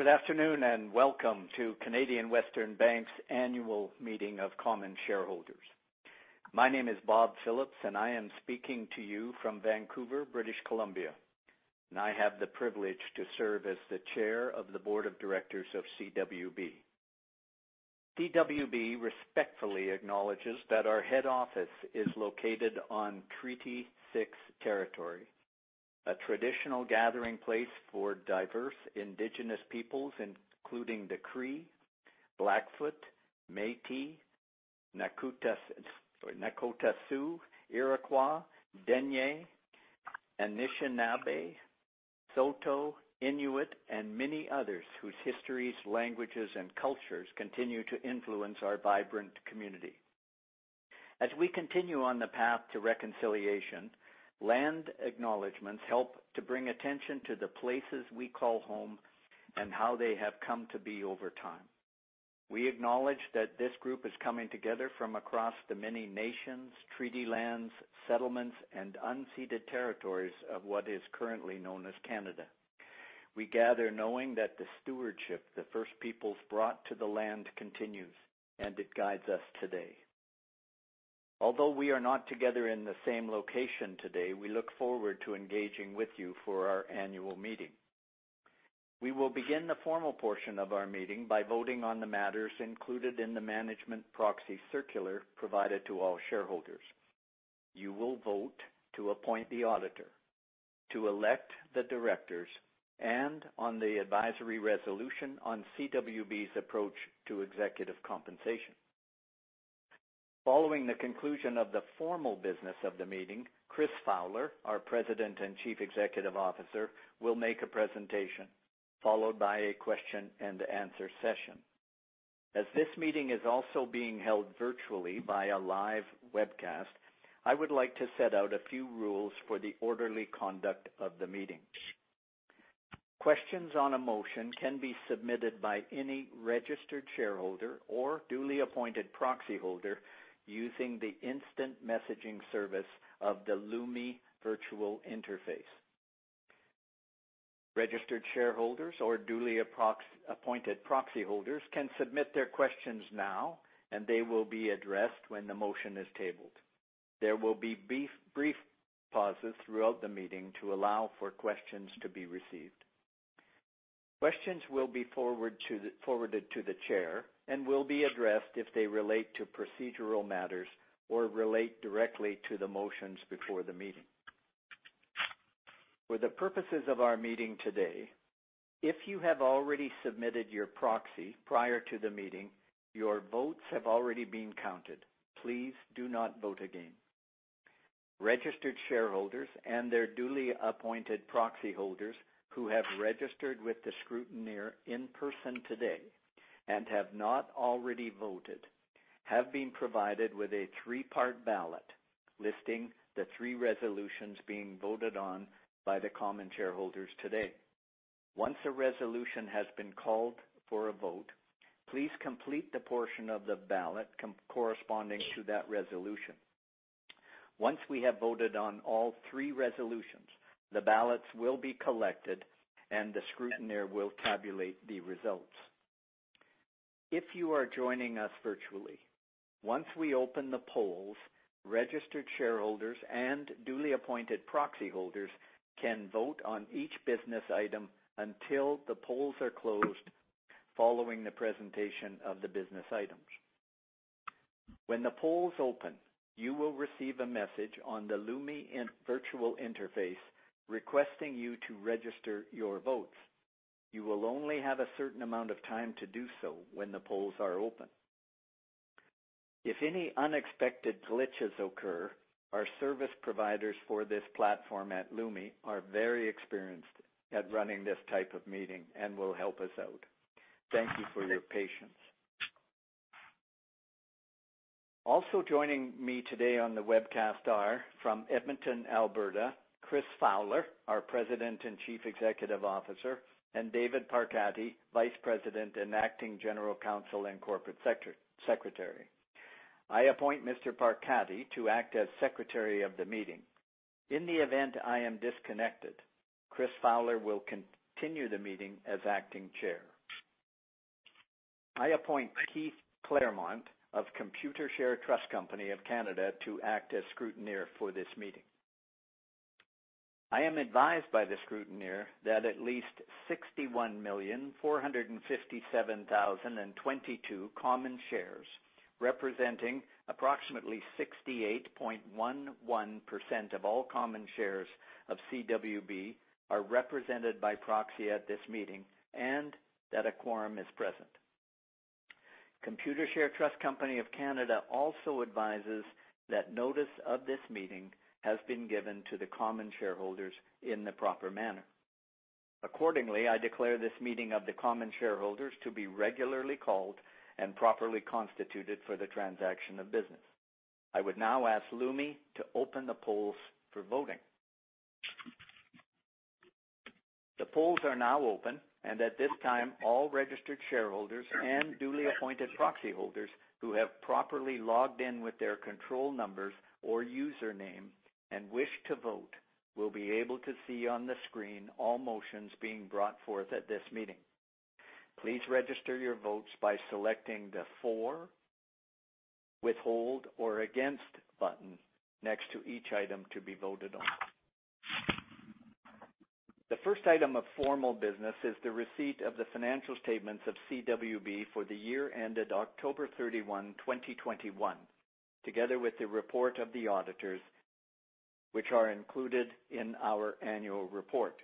Good afternoon, welcome to Canadian Western Bank's annual meeting of common shareholders. My name is Bob Phillips. I am speaking to you from Vancouver, British Columbia. I have the privilege to serve as the chair of the board of directors of CWB. CWB respectfully acknowledges that our head office is located on Treaty 6 territory, a traditional gathering place for diverse Indigenous peoples, including the Cree, Blackfoot, Métis, Nakota Sioux, Iroquois, Dene, Anishinaabe, Saulteaux, Inuit, and many others whose histories, languages, and cultures continue to influence our vibrant community. As we continue on the path to reconciliation, land acknowledgments help to bring attention to the places we call home and how they have come to be over time. We acknowledge that this group is coming together from across the many nations, treaty lands, settlements, and unceded territories of what is currently known as Canada. We gather knowing that the stewardship the First Peoples brought to the land continues, and it guides us today. Although we are not together in the same location today, we look forward to engaging with you for our annual meeting. We will begin the formal portion of our meeting by voting on the matters included in the management proxy circular provided to all shareholders. You will vote to appoint the auditor, to elect the directors, and on the advisory resolution on CWB's approach to executive compensation. Following the conclusion of the formal business of the meeting, Chris Fowler, our President and Chief Executive Officer, will make a presentation, followed by a question and answer session. As this meeting is also being held virtually via live webcast, I would like to set out a few rules for the orderly conduct of the meeting. Questions on a motion can be submitted by any registered shareholder or duly appointed proxyholder using the instant messaging service of the Lumi virtual interface. Registered shareholders or duly appointed proxyholders can submit their questions now, and they will be addressed when the motion is tabled. There will be brief pauses throughout the meeting to allow for questions to be received. Questions will be forwarded to the chair and will be addressed if they relate to procedural matters or relate directly to the motions before the meeting. For the purposes of our meeting today, if you have already submitted your proxy prior to the meeting, your votes have already been counted. Please do not vote again. Registered shareholders and their duly appointed proxyholders who have registered with the scrutineer in person today and have not already voted have been provided with a three-part ballot listing the three resolutions being voted on by the common shareholders today. Once a resolution has been called for a vote, please complete the portion of the ballot corresponding to that resolution. Once we have voted on all three resolutions, the ballots will be collected, and the scrutineer will tabulate the results. If you are joining us virtually, once we open the polls, registered shareholders and duly appointed proxyholders can vote on each business item until the polls are closed following the presentation of the business items. When the polls open, you will receive a message on the Lumi virtual interface requesting you to register your votes. You will only have a certain amount of time to do so when the polls are open. If any unexpected glitches occur, our service providers for this platform at Lumi are very experienced at running this type of meeting and will help us out. Thank you for your patience. Also joining me today on the webcast are, from Edmonton, Alberta, Chris Fowler, our President and Chief Executive Officer, and David Parkatti, Vice President and Acting General Counsel and Corporate Secretary. I appoint Mr. Parkatti to act as Secretary of the meeting. In the event I am disconnected, Chris Fowler will continue the meeting as acting chair. I appoint Keith Claremont of Computershare Trust Company of Canada to act as Scrutineer for this meeting. I am advised by the scrutineer that at least 61,457,022 common shares, representing approximately 68.11% of all common shares of CWB, are represented by proxy at this meeting and that a quorum is present. Computershare Trust Company of Canada also advises that notice of this meeting has been given to the common shareholders in the proper manner. Accordingly, I declare this meeting of the common shareholders to be regularly called and properly constituted for the transaction of business. I would now ask Lumi to open the polls for voting. The polls are now open, and at this time, all registered shareholders and duly appointed proxyholders who have properly logged in with their control numbers or username and wish to vote will be able to see on the screen all motions being brought forth at this meeting. Please register your votes by selecting the For, Withhold, or Against button next to each item to be voted on. The first item of formal business is the receipt of the financial statements of CWB for the year ended October 31, 2021, together with the report of the auditors, which are included in our annual report.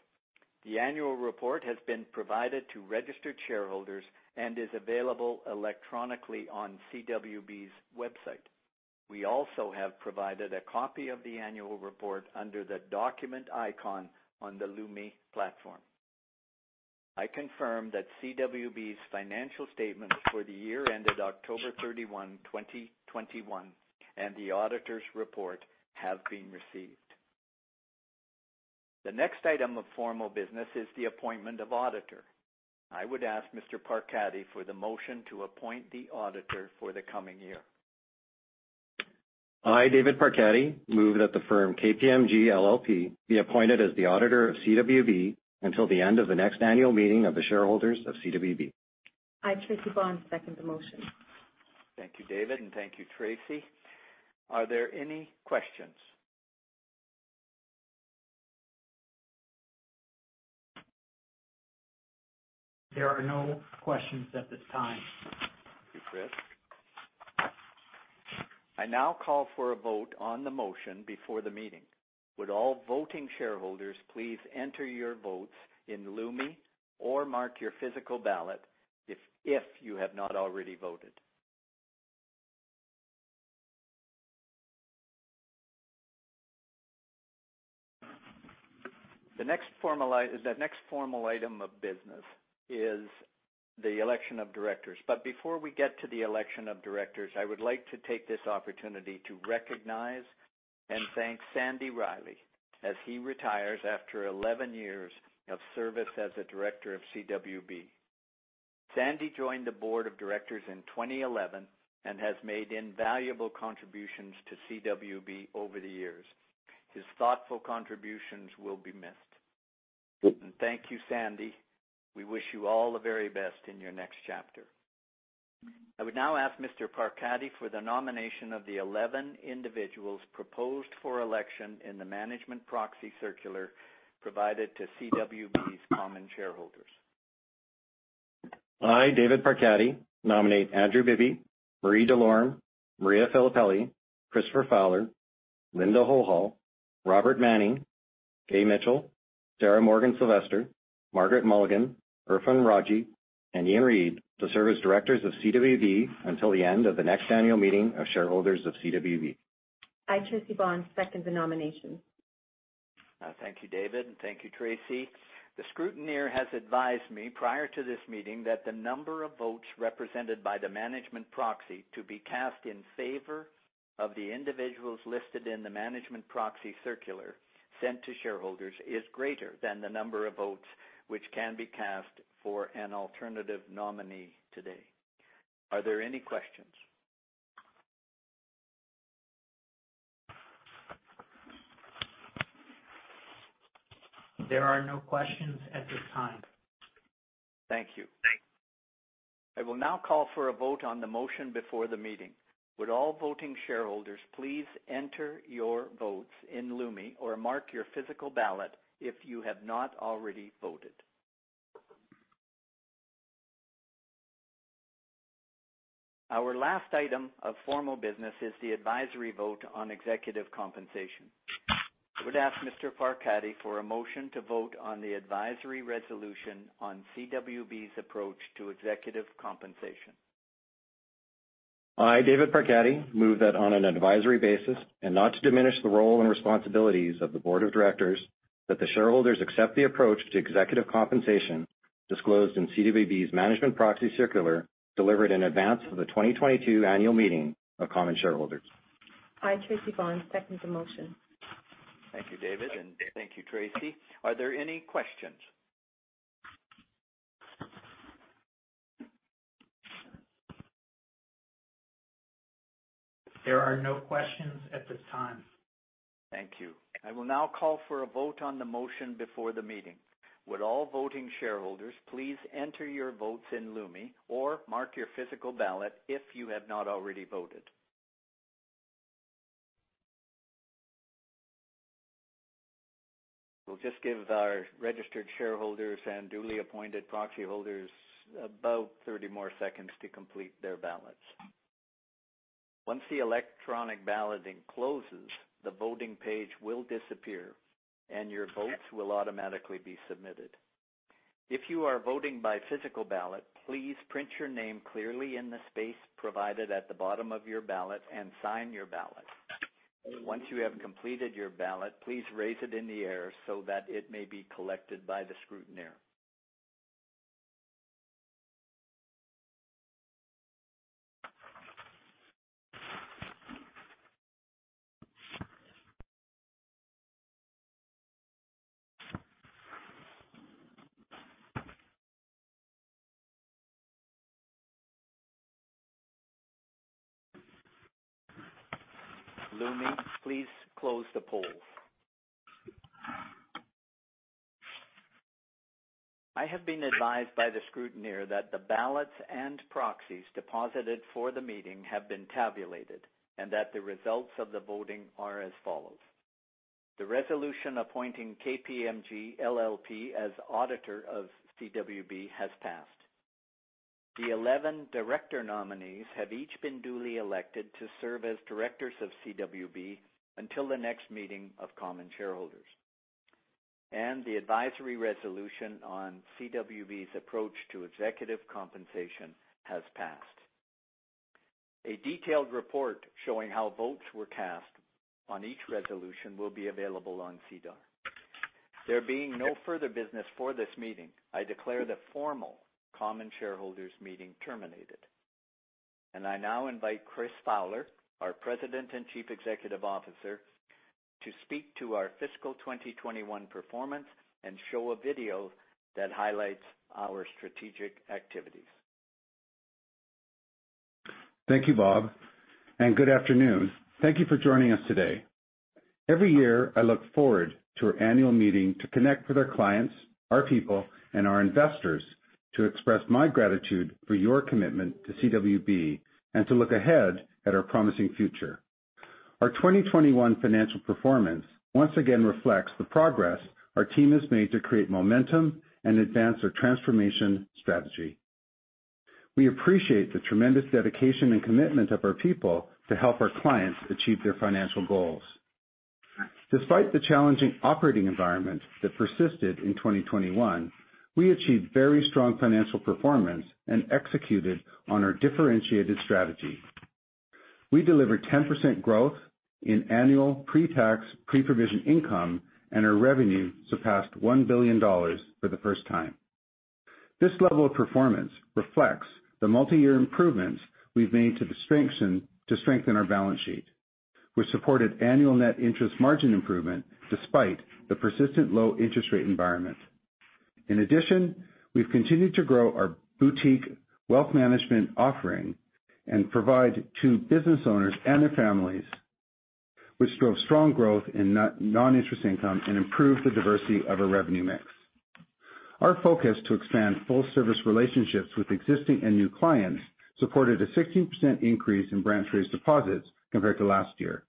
The annual report has been provided to registered shareholders and is available electronically on CWB's website. We also have provided a copy of the annual report under the document icon on the Lumi platform. I confirm that CWB's financial statements for the year ended October 31, 2021, and the auditor's report have been received. The next item of formal business is the appointment of auditor. I would ask Mr. Parkatti for the motion to appoint the auditor for the coming year. I, David Parkatti, move that the firm KPMG LLP be appointed as the auditor of CWB until the end of the next annual meeting of the shareholders of CWB. I, Tracy Bond, second the motion. Thank you, David, and thank you, Tracy. Are there any questions? There are no questions at this time. Thank you, Chris. I now call for a vote on the motion before the meeting. Would all voting shareholders please enter your votes in Lumi or mark your physical ballot if you have not already voted. The next formal item of business is the election of Directors. Before we get to the election of Directors, I would like to take this opportunity to recognize and thank Sandy Riley as he retires after 11 years of service as a Director of CWB. Sandy joined the Board of Directors in 2011 and has made invaluable contributions to CWB over the years. His thoughtful contributions will be missed. Thank you, Sandy. We wish you all the very best in your next chapter. I would now ask Mr. Parkatti for the nomination of the 11 individuals proposed for election in the management proxy circular provided to CWB's common shareholders. I, David Parkatti, nominate Andrew Bibby, Marie Delorme, Maria Filippelli, Christopher Fowler, Linda Hohol, Robert Manning, Gay Mitchell, Sarah Morgan-Silvester, Margaret Mulligan, Irfhan Rawji, and Ian Reid to serve as directors of CWB until the end of the next annual meeting of shareholders of CWB. I, Tracy Bond, second the nomination. Thank you, David, and thank you, Tracy. The scrutineer has advised me prior to this meeting that the number of votes represented by the management proxy to be cast in favor of the individuals listed in the management proxy circular sent to shareholders is greater than the number of votes which can be cast for an alternative nominee today. Are there any questions? There are no questions at this time. Thank you. I will now call for a vote on the motion before the meeting. Would all voting shareholders please enter your votes in Lumi or mark your physical ballot if you have not already voted. Our last item of formal business is the advisory vote on executive compensation. I would ask Mr. Parkatti for a motion to vote on the advisory resolution on CWB's approach to executive compensation. I, David Parkatti, move that on an advisory basis and not to diminish the role and responsibilities of the board of directors, that the shareholders accept the approach to executive compensation disclosed in CWB's management proxy circular, delivered in advance of the 2022 annual meeting of common shareholders. I, Tracy Bond, second the motion. Thank you, David, and thank you, Tracy. Are there any questions? There are no questions at this time. Thank you. I will now call for a vote on the motion before the meeting. Would all voting shareholders please enter your votes in Lumi or mark your physical ballot if you have not already voted. We'll just give our registered shareholders and duly appointed proxy holders about 30 more seconds to complete their ballots. Once the electronic balloting closes, the voting page will disappear, and your votes will automatically be submitted. If you are voting by physical ballot, please print your name clearly in the space provided at the bottom of your ballot and sign your ballot. Once you have completed your ballot, please raise it in the air so that it may be collected by the scrutineer. Lumi, please close the polls. I have been advised by the scrutineer that the ballots and proxies deposited for the meeting have been tabulated, and that the results of the voting are as follows. The resolution appointing KPMG LLP as auditor of CWB has passed. The 11 director nominees have each been duly elected to serve as directors of CWB until the next meeting of common shareholders. The advisory resolution on CWB's approach to executive compensation has passed. A detailed report showing how votes were cast on each resolution will be available on SEDAR. There being no further business for this meeting, I declare the formal common shareholders meeting terminated. I now invite Chris Fowler, our President and Chief Executive Officer, to speak to our fiscal 2021 performance and show a video that highlights our strategic activities. Thank you, Bob. Good afternoon. Thank you for joining us today. Every year, I look forward to our annual meeting to connect with our clients, our people, and our investors to express my gratitude for your commitment to CWB, and to look ahead at our promising future. Our 2021 financial performance once again reflects the progress our team has made to create momentum and advance our transformation strategy. We appreciate the tremendous dedication and commitment of our people to help our clients achieve their financial goals. Despite the challenging operating environment that persisted in 2021, we achieved very strong financial performance and executed on our differentiated strategy. We delivered 10% growth in annual pre-tax, pre-provision income. Our revenue surpassed 1 billion dollars for the first time. This level of performance reflects the multi-year improvements we've made to strengthen our balance sheet. We supported annual net interest margin improvement despite the persistent low interest rate environment. In addition, we've continued to grow our boutique wealth management offering and provide to business owners and their families, which drove strong growth in non-interest income and improved the diversity of our revenue mix. Our focus to expand full service relationships with existing and new clients supported a 16% increase in branch-raised deposits compared to last year.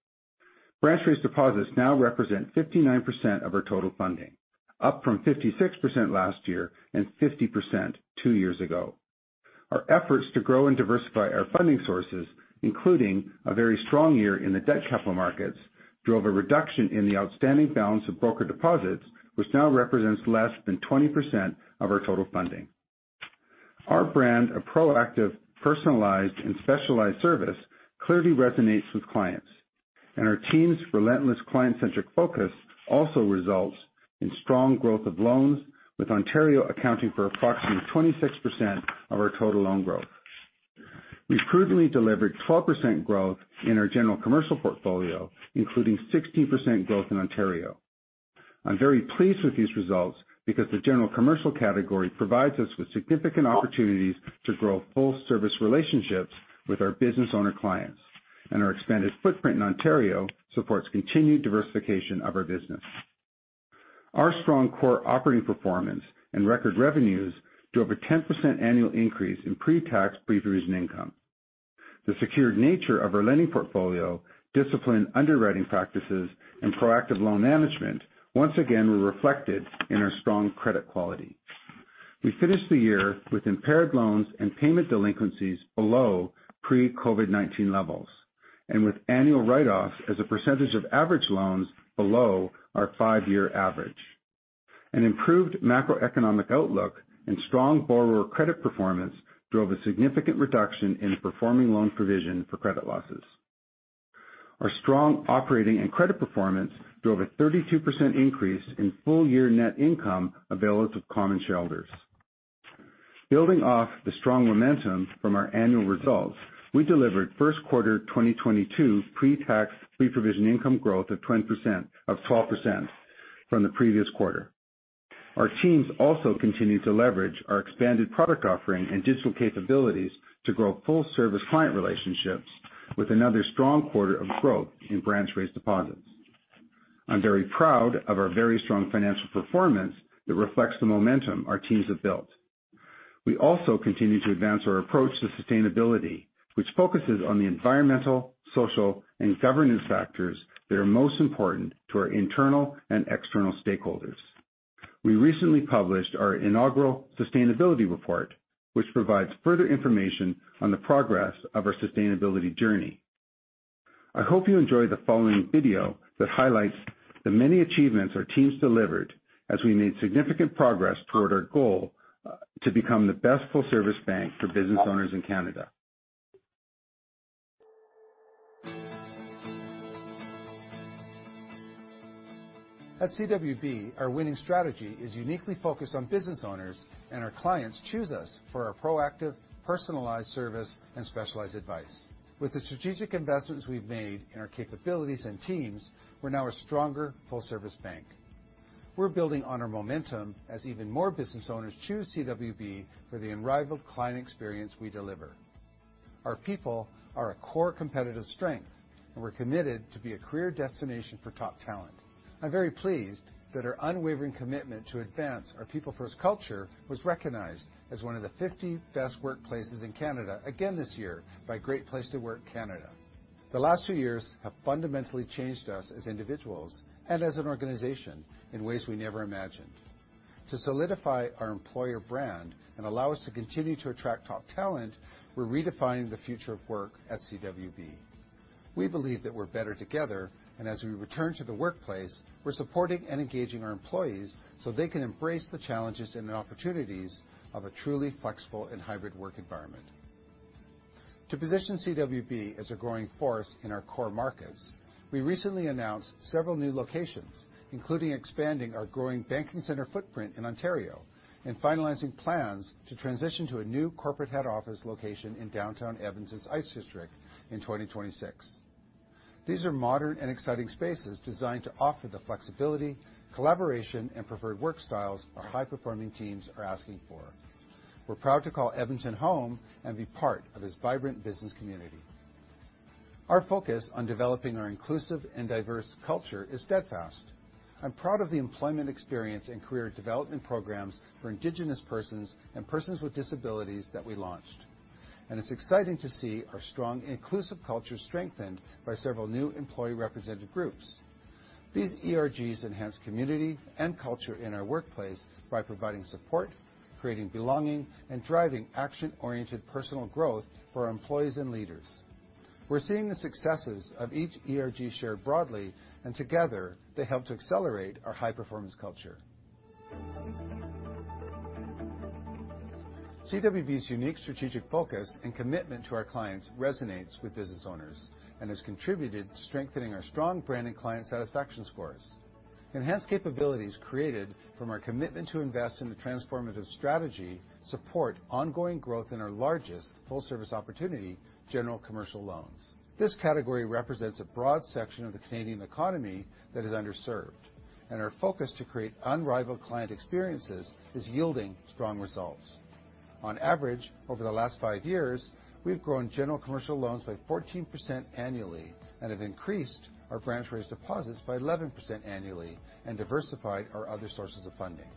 Branch-raised deposits now represent 59% of our total funding, up from 56% last year and 50% two years ago. Our efforts to grow and diversify our funding sources, including a very strong year in the debt capital markets, drove a reduction in the outstanding balance of broker deposits, which now represents less than 20% of our total funding. Our brand of proactive, personalized, and specialized service clearly resonates with clients, and our team's relentless client-centric focus also results in strong growth of loans, with Ontario accounting for approximately 26% of our total loan growth. We've prudently delivered 12% growth in our general commercial portfolio, including 16% growth in Ontario. I'm very pleased with these results because the general commercial category provides us with significant opportunities to grow full service relationships with our business owner clients. Our expanded footprint in Ontario supports continued diversification of our business. Our strong core operating performance and record revenues drove a 10% annual increase in pre-tax, pre-provision income. The secured nature of our lending portfolio, disciplined underwriting practices, and proactive loan management once again were reflected in our strong credit quality. We finished the year with impaired loans and payment delinquencies below pre-COVID-19 levels, and with annual write-offs as a percentage of average loans below our five-year average. An improved macroeconomic outlook and strong borrower credit performance drove a significant reduction in performing loan provision for credit losses. Our strong operating and credit performance drove a 32% increase in full-year net income available to common shareholders. Building off the strong momentum from our annual results, we delivered first quarter 2022 pre-tax, pre-provision income growth of 12% from the previous quarter. Our teams also continue to leverage our expanded product offering and digital capabilities to grow full service client relationships with another strong quarter of growth in branch-raised deposits. I'm very proud of our very strong financial performance that reflects the momentum our teams have built. We also continue to advance our approach to sustainability, which focuses on the environmental, social, and governance factors that are most important to our internal and external stakeholders. We recently published our inaugural sustainability report, which provides further information on the progress of our sustainability journey. I hope you enjoy the following video that highlights the many achievements our teams delivered as we made significant progress toward our goal to become the best full service bank for business owners in Canada. At CWB, our winning strategy is uniquely focused on business owners. Our clients choose us for our proactive, personalized service and specialized advice. With the strategic investments we've made in our capabilities and teams, we're now a stronger full service bank. We're building on our momentum as even more business owners choose CWB for the unrivaled client experience we deliver. Our people are a core competitive strength, and we're committed to be a career destination for top talent. I'm very pleased that our unwavering commitment to advance our people-first culture was recognized as one of the 50 best workplaces in Canada again this year by Great Place to Work Canada. The last few years have fundamentally changed us as individuals and as an organization in ways we never imagined. To solidify our employer brand and allow us to continue to attract top talent, we're redefining the future of work at CWB. We believe that we're better together, and as we return to the workplace, we're supporting and engaging our employees so they can embrace the challenges and the opportunities of a truly flexible and hybrid work environment. To position CWB as a growing force in our core markets, we recently announced several new locations, including expanding our growing banking center footprint in Ontario and finalizing plans to transition to a new corporate head office location in downtown Edmonton's Ice District in 2026. These are modern and exciting spaces designed to offer the flexibility, collaboration, and preferred work styles our high-performing teams are asking for. We're proud to call Edmonton home and be part of its vibrant business community. Our focus on developing our inclusive and diverse culture is steadfast. I'm proud of the employment experience and career development programs for Indigenous persons and persons with disabilities that we launched. It's exciting to see our strong inclusive culture strengthened by several new employee-represented groups. These ERGs enhance community and culture in our workplace by providing support, creating belonging, and driving action-oriented personal growth for our employees and leaders. We're seeing the successes of each ERG shared broadly, and together, they help to accelerate our high-performance culture. CWB's unique strategic focus and commitment to our clients resonates with business owners and has contributed to strengthening our strong brand and client satisfaction scores. Enhanced capabilities created from our commitment to invest in the transformative strategy support ongoing growth in our largest full-service opportunity, general commercial loans. This category represents a broad section of the Canadian economy that is underserved, and our focus to create unrivaled client experiences is yielding strong results. On average, over the last five years, we've grown general commercial loans by 14% annually and have increased our branch-raised deposits by 11% annually and diversified our other sources of funding.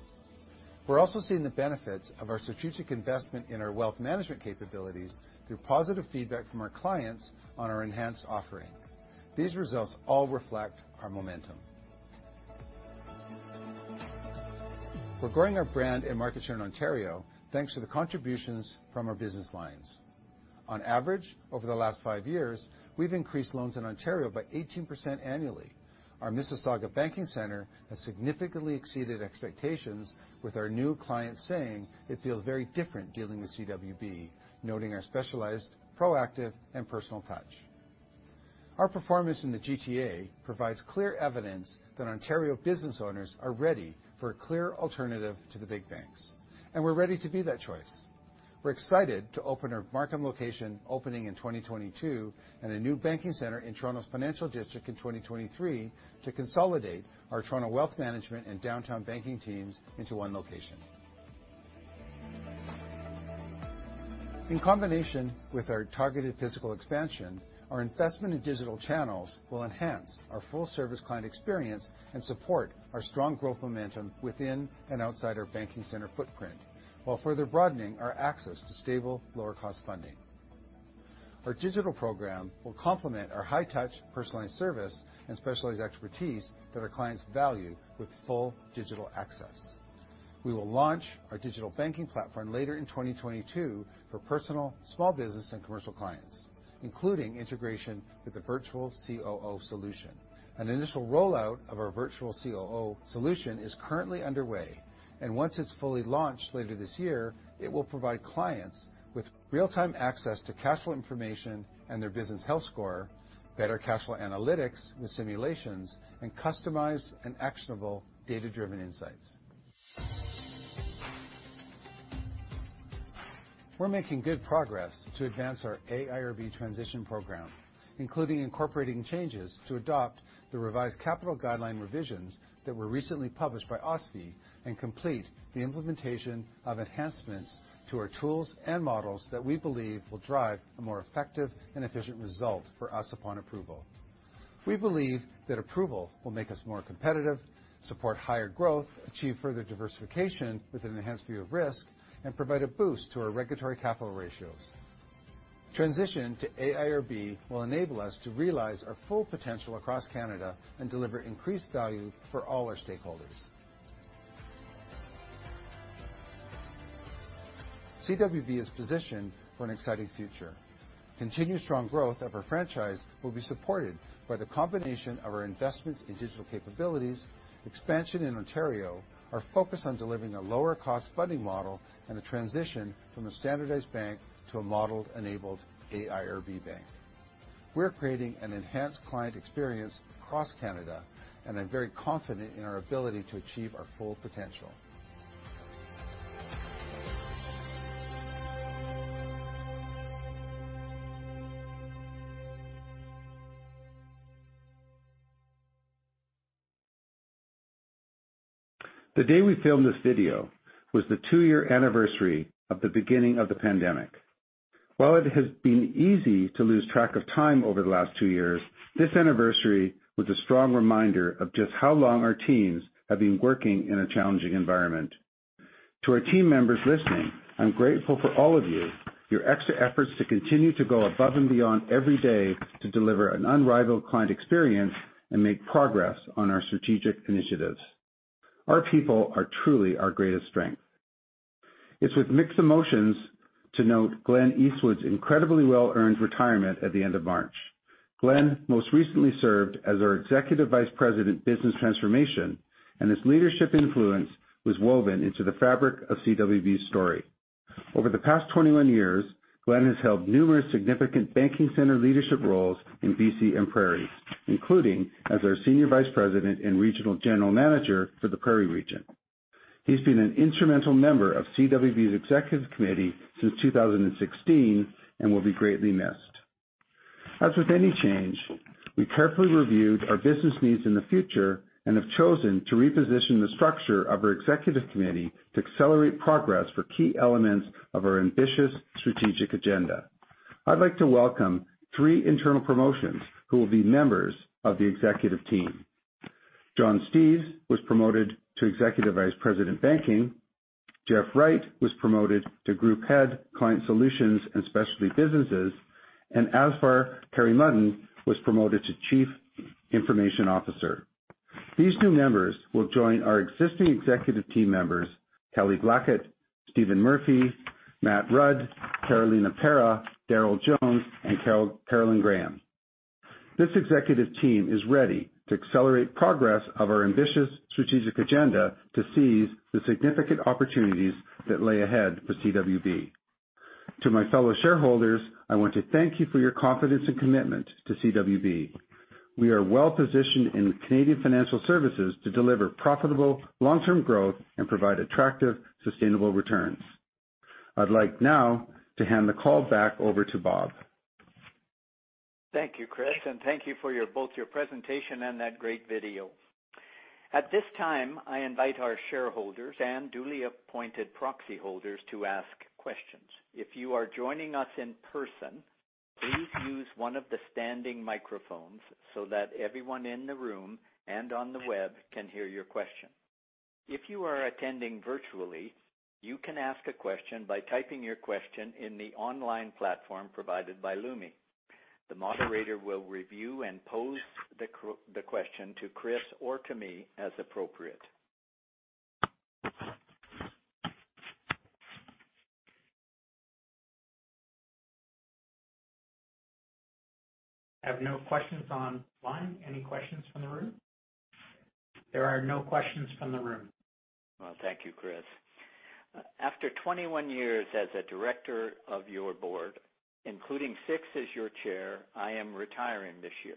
We're also seeing the benefits of our strategic investment in our wealth management capabilities through positive feedback from our clients on our enhanced offering. These results all reflect our momentum. We're growing our brand and market share in Ontario, thanks to the contributions from our business lines. On average, over the last five years, we've increased loans in Ontario by 18% annually. Our Mississauga banking center has significantly exceeded expectations with our new clients saying it feels very different dealing with CWB, noting our specialized, proactive, and personal touch. Our performance in the GTA provides clear evidence that Ontario business owners are ready for a clear alternative to the big banks. We're ready to be that choice. We're excited to open our Markham location opening in 2022 and a new banking center in Toronto's financial district in 2023 to consolidate our Toronto wealth management and downtown banking teams into one location. In combination with our targeted physical expansion, our investment in digital channels will enhance our full-service client experience and support our strong growth momentum within and outside our banking center footprint while further broadening our access to stable, lower-cost funding. Our digital program will complement our high-touch, personalized service and specialized expertise that our clients value with full digital access. We will launch our digital banking platform later in 2022 for personal, small business, and commercial clients, including integration with the Virtual COO solution. An initial rollout of our Virtual COO solution is currently underway, and once it's fully launched later this year, it will provide clients with real-time access to cash flow information and their business health score, better cash flow analytics with simulations, and customized and actionable data-driven insights. We're making good progress to advance our AIRB transition program, including incorporating changes to adopt the revised capital guideline revisions that were recently published by OSFI and complete the implementation of enhancements to our tools and models that we believe will drive a more effective and efficient result for us upon approval. We believe that approval will make us more competitive, support higher growth, achieve further diversification with an enhanced view of risk, and provide a boost to our regulatory capital ratios. Transition to AIRB will enable us to realize our full potential across Canada and deliver increased value for all our stakeholders. CWB is positioned for an exciting future. Continued strong growth of our franchise will be supported by the combination of our investments in digital capabilities, expansion in Ontario, our focus on delivering a lower-cost funding model, and the transition from a standardized bank to a model-enabled AIRB bank. We're creating an enhanced client experience across Canada, and I'm very confident in our ability to achieve our full potential. The day we filmed this video was the two-year anniversary of the beginning of the pandemic. While it has been easy to lose track of time over the last two years, this anniversary was a strong reminder of just how long our teams have been working in a challenging environment. To our team members listening, I'm grateful for all of you, your extra efforts to continue to go above and beyond every day to deliver an unrivaled client experience and make progress on our strategic initiatives. Our people are truly our greatest strength. It's with mixed emotions to note Glen Eastwood's incredibly well-earned retirement at the end of March. Glen most recently served as our Executive Vice President, Business Transformation, and his leadership influence was woven into the fabric of CWB's story. Over the past 21 years, Glen has held numerous significant banking center leadership roles in B.C. and Prairies, including as our Senior Vice President and Regional General Manager for the Prairie region. He's been an instrumental member of CWB's Executive Committee since 2016 and will be greatly missed. As with any change, we carefully reviewed our business needs in the future and have chosen to reposition the structure of our Executive Committee to accelerate progress for key elements of our ambitious strategic agenda. I'd like to welcome three internal promotions who will be members of the Executive Team. John Steeves was promoted to Executive Vice President, Banking. Jeff Wright was promoted to Group Head, Client Solutions and Specialty Businesses, and Azfar Karimuddin was promoted to Chief Information Officer. These new members will join our existing executive team members, Kelly Blackett, Stephen Murphy, Matt Rudd, Carolina Parra, Darrell Jones, and Carolyn Graham. This executive team is ready to accelerate progress of our ambitious strategic agenda to seize the significant opportunities that lay ahead for CWB. To my fellow shareholders, I want to thank you for your confidence and commitment to CWB. We are well-positioned in Canadian financial services to deliver profitable long-term growth and provide attractive, sustainable returns. I'd like now to hand the call back over to Bob. Thank you, Chris, and thank you for both your presentation and that great video. At this time, I invite our shareholders and duly appointed proxy holders to ask questions. If you are joining us in person, please use one of the standing microphones so that everyone in the room and on the web can hear your question. If you are attending virtually, you can ask a question by typing your question in the online platform provided by Lumi. The moderator will review and pose the question to Chris or to me as appropriate. I have no questions online. Any questions from the room? There are no questions from the room. Well, thank you, Chris. After 21 years as a director of your board, including six as your Chair, I am retiring this year.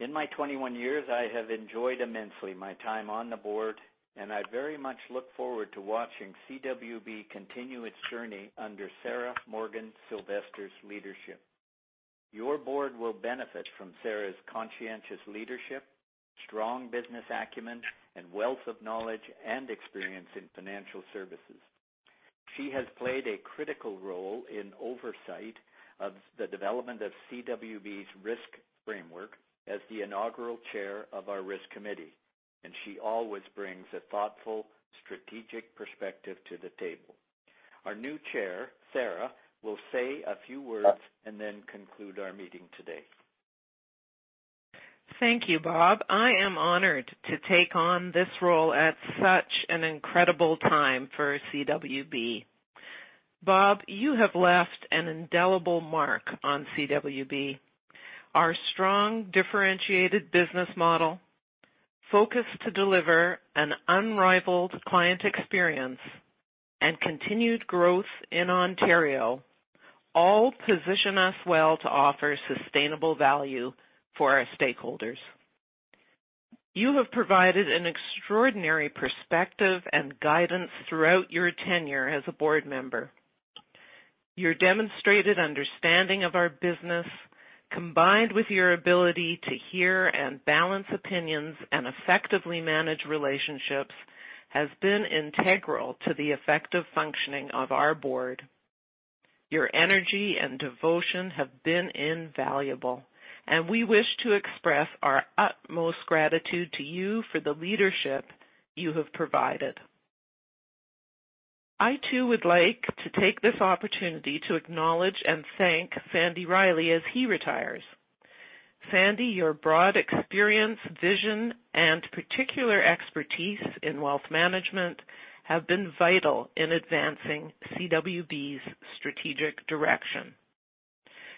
In my 21 years, I have enjoyed immensely my time on the board, and I very much look forward to watching CWB continue its journey under Sarah Morgan-Silvester's leadership. Your board will benefit from Sarah's conscientious leadership, strong business acumen, and wealth of knowledge and experience in financial services. She has played a critical role in oversight of the development of CWB's risk framework as the inaugural Chair of our risk committee, and she always brings a thoughtful, strategic perspective to the table. Our new Chair, Sarah, will say a few words and then conclude our meeting today. Thank you, Bob. I am honored to take on this role at such an incredible time for CWB. Bob, you have left an indelible mark on CWB. Our strong, differentiated business model, focus to deliver an unrivaled client experience, and continued growth in Ontario all position us well to offer sustainable value for our stakeholders. You have provided an extraordinary perspective and guidance throughout your tenure as a board member. Your demonstrated understanding of our business, combined with your ability to hear and balance opinions and effectively manage relationships, has been integral to the effective functioning of our board. Your energy and devotion have been invaluable, and we wish to express our utmost gratitude to you for the leadership you have provided. I too would like to take this opportunity to acknowledge and thank Sandy Riley as he retires. Sandy, your broad experience, vision, and particular expertise in wealth management have been vital in advancing CWB's strategic direction.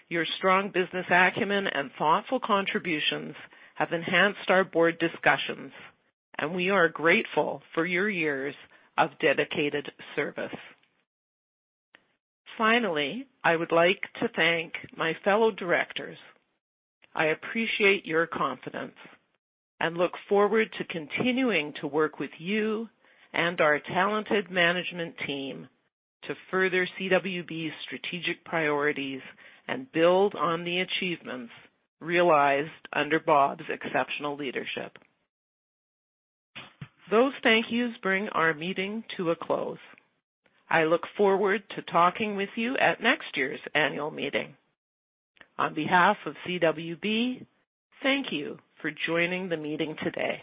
Your strong business acumen and thoughtful contributions have enhanced our board discussions, and we are grateful for your years of dedicated service. Finally, I would like to thank my fellow directors. I appreciate your confidence and look forward to continuing to work with you and our talented management team to further CWB's strategic priorities and build on the achievements realized under Bob's exceptional leadership. Those thank you bring our meeting to a close. I look forward to talking with you at next year's annual meeting. On behalf of CWB, thank you for joining the meeting today.